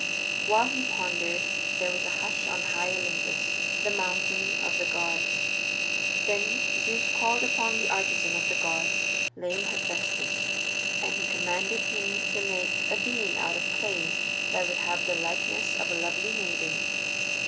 While he pondered there was a hush on high Olympus, the mountain of the gods. Then Zeus called upon the artisan of the gods, lame Hephaestus, and he commanded him to make a being out of clay that would have the likeness of a lovely maiden.